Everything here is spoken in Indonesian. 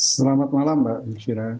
selamat malam mbak shira